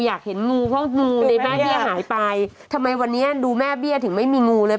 อยากเห็นงูเพราะงูในแม่เบี้ยหายไปทำไมวันนี้ดูแม่เบี้ยถึงไม่มีงูเลย